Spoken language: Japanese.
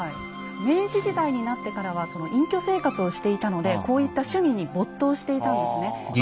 明治時代になってからはその隠居生活をしていたのでこういった趣味に没頭していたんですね。